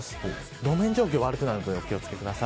路面状況が悪くなるのでお気を付けください。